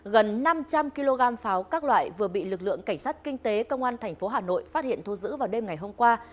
gần năm trăm linh kg pháo các loại vừa bị lực lượng cảnh sát kinh tế công an tp hà nội phát hiện thu giữ vào đêm ngày hôm qua